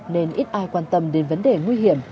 nên ít ai quan tâm đến vấn đề nguy hiểm